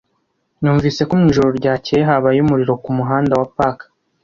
Numvise ko mu ijoro ryakeye habaye umuriro ku muhanda wa Park.